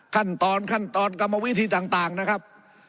ขั้นตอนขั้นตอนกรรมวิธีต่างนะครับ